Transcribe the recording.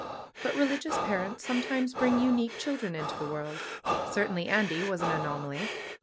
But religious parents sometimes bring unique children into the world. Cer tainly Andy was an anomaly.